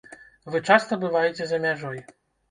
Вы часта бываеце за мяжой.